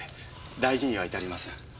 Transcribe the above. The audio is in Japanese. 大事には至りません。